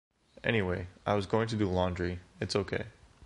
Anyway, I was going to do laundry, it’s okay.